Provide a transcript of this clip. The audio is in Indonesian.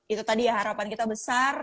itu tadi ya harapan kita besar